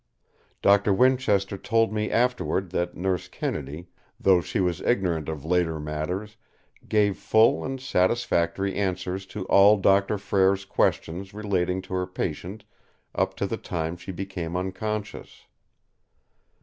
Doctor Winchester told me afterward that Nurse Kennedy, though she was ignorant of later matters, gave full and satisfactory answers to all Doctor Frere's questions relating to her patient up to the time she became unconscious.